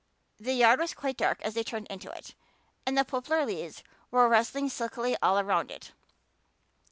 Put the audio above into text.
The yard was quite dark as they turned into it and the poplar leaves were rustling silkily all round it.